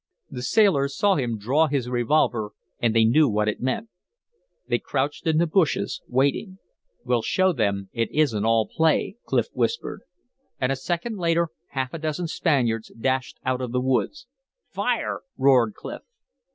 The sailors saw him draw his revolver, and they knew what it meant. They crouched in the bushes, waiting. "We'll show them it isn't all play," Clif whispered. And, a second later, half a dozen Spaniards dashed out of the woods. "Fire!" roared Clif.